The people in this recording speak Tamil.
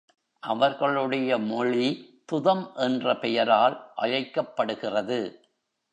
அவர்களுடைய மொழி துதம் என்ற பெயரால் அழைக்கப்படுகிறது.